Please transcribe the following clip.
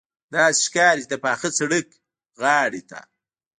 داسې ښکاري چې د پاخه سړک غاړې ته.